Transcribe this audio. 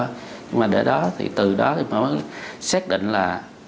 nhưng mà để đó thì từ đó thì mới xác định là